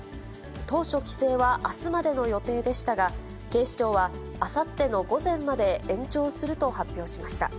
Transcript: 当初、規制はあすまでの予定でしたが、警視庁は、あさっての午前まで延長すると発表しました。